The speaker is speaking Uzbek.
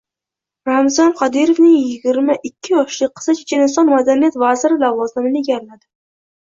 Ramzan Qodirovningyigirma ikkiyoshli qizi Checheniston madaniyat vaziri lavozimini egalladi